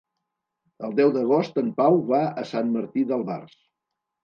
El deu d'agost en Pau va a Sant Martí d'Albars.